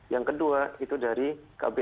yang kedua itu dari kbri